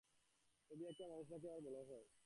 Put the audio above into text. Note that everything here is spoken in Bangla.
ছবি আঁকিয়া মানুষ নাকি আবার বড় হয়।